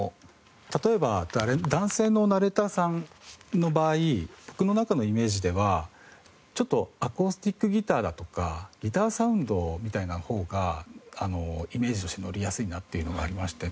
例えば男性のナレーターさんの場合僕の中のイメージではちょっとアコースティックギターだとかギターサウンドみたいな方がイメージとしてのりやすいなというのがありまして。